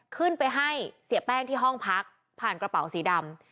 ขึ้นไปให้เสียแป้งที่ห้องพักผ่านกระเป๋าสีดำ